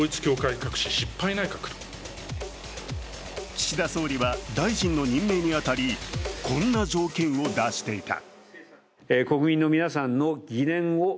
岸田総理は大臣の任命に当たり、こんな条件を出していた。